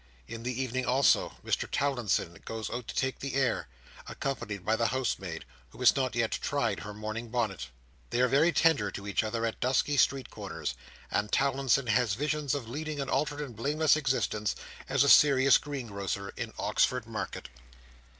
In the evening also, Mr Towlinson goes out to take the air, accompanied by the housemaid, who has not yet tried her mourning bonnet. They are very tender to each other at dusky street corners, and Towlinson has visions of leading an altered and blameless existence as a serious greengrocer in Oxford Market.